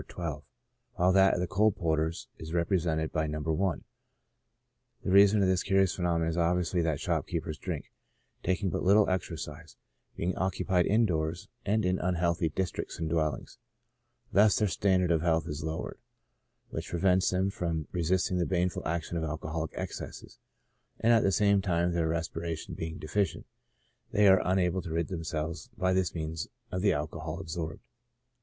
12, while that of coal porters is represented by No. i. The reason of this curious phenomenon is obviously that shopkeepers drink, taking but little exercise, being occupied indoors and in unhealthy districts and dwellings ; thus their standard of health is lowered, which prevents them from resisting the baneful action of alcoholic excesses, and at the same time their respiration being deficient, they are unable to rid themselves by this means of the alcohol absorbed.